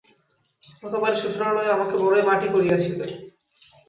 গতবারে শ্বশুরালয়ে আমাকে বড়ই মাটি করিয়াছিল?